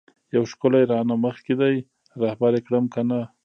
یو ښکلی رانه مخکی دی رهبر یی کړم کنه؟